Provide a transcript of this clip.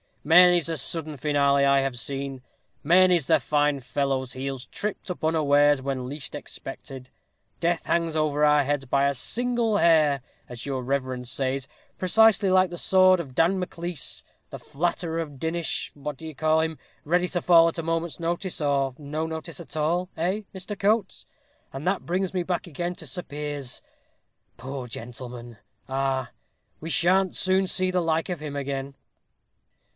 many's the sudden finale I have seen. Many's the fine fellow's heels tripped up unawares, when least expected. Death hangs over our heads by a single hair, as your reverence says, precisely like the sword of Dan Maclise, the flatterer of Dinnish what do you call him, ready to fall at a moment's notice, or no notice at all eh? Mr. Coates. And that brings me back again to Sir Piers poor gentleman ah! we sha'n't soon see the like of him again!"